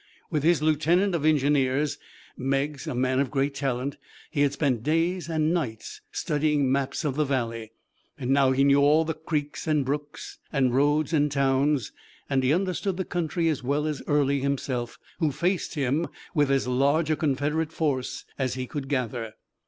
With his lieutenant of engineers, Meigs, a man of great talent, he had spent days and nights studying maps of the valley. Now he knew all the creeks and brooks and roads and towns, and he understood the country as well as Early himself, who faced him with as large a Confederate force as he could gather.